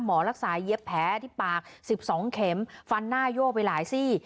หมอรักษาเย็บแผลที่ปาก๑๒เข็มฟันหน้าโยกไปหลายซี่